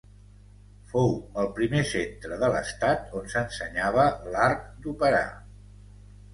Fou el primer centre de l'Estat on s'ensenyava l'art d'operar.